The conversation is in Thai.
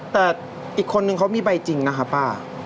แต่อีกคนนึงเขามีใบจริงนะคะป้า